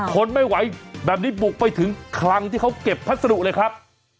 ทนไม่ไหวแบบนี้บุกไปถึงคลังที่เขาเก็บพัสดุเลยครับ